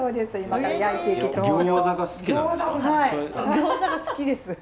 餃子が好きです。